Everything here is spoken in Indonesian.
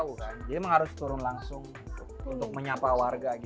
jadi memang harus turun langsung untuk menyapa warga gitu